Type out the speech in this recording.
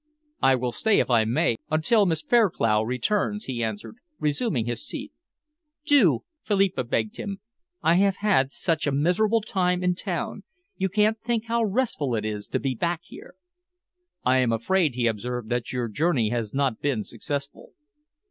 "I will stay, if I may, until Miss Fairclough returns," he answered, resuming his seat. "Do!" Philippa begged him. "I have had such a miserable time in town. You can't think how restful it is to be back here." "I am afraid," he observed, "that your journey has not been successful."